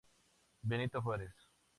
Benito Juárez.